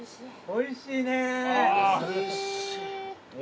おいしいね。